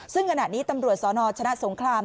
ซึ่งขณะนี้ตำรวจสนชนะสงคราม